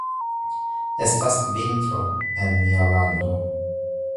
Estas vintro en mia lando.